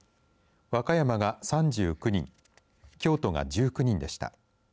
和歌山が３９人京都が１９人でした。